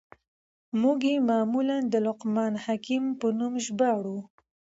موږ ئې معمولاً د لقمان حکيم په نوم ژباړو.